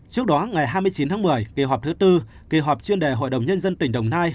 trước đó ngày hai mươi chín tháng một mươi kỳ họp thứ tư kỳ họp chuyên đề hội đồng nhân dân tỉnh đồng nai